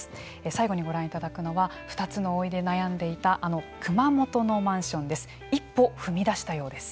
最後にご覧いただくのは２つの老いで悩んでいたあの熊本のマンションです。